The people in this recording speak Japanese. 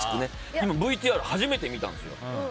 ＶＴＲを初めて見たんです。